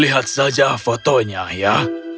lihat saja fotonya ya